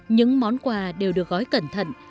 những món quà đều được gói cẩn thận